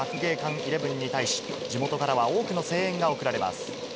イレブンに対し、地元からは多くの声援が送られます。